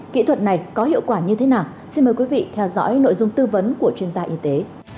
kỹ thuật này có hiệu quả như thế nào xin mời quý vị theo dõi nội dung tư vấn của chuyên gia y tế